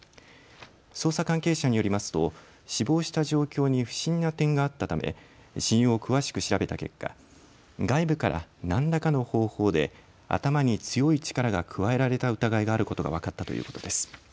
捜査関係者によりますと死亡した状況に不審な点があったため死因を詳しく調べた結果外部から何らかの方法で頭に強い力が加えられた疑いがあることが分かったということです。